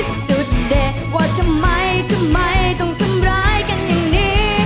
ทำไมทำไมต้องเชิญร้ายกันอย่างนี้